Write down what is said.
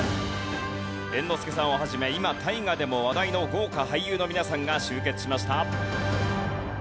猿之助さんを始め今大河でも話題の豪華俳優の皆さんが集結しました。